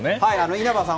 稲葉さん